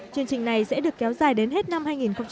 chương trình này sẽ được kéo dài đến hết năm hai nghìn một mươi bảy